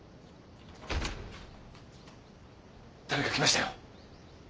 ・誰か来ましたよ。